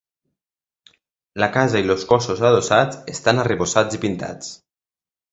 La casa i els cossos adossats estan arrebossats i pintats.